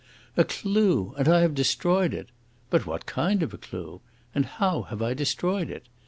"A clue! and I have destroyed it! But what kind of a clue? And how have I destroyed it?